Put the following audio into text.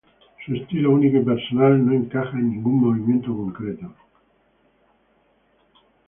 Su estilo único y personal, no encaja en ningún movimiento concreto.